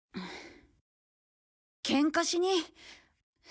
ケンカしに。